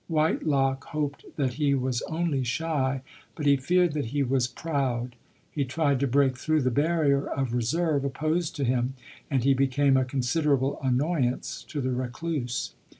Whitelock hoped that he was only shy, but he feared that he was proud; he tried to break through the barrier of reserve opposed to him, and he became a considerable annoyance to the recluse.